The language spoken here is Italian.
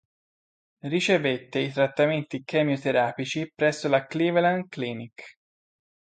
Ricevette i trattamenti chemioterapici presso la Cleveland Clinic.